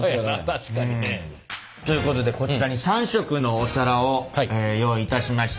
確かにね。ということでこちらに３色のお皿を用意いたしました。